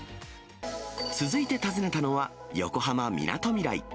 続いて訪ねたのは、横浜・みなとみらい。